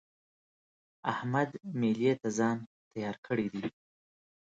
احمد مېلې ته ځان تيار کړی دی.